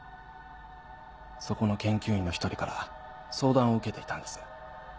そこの研究員の１人から相談を受けていたんです。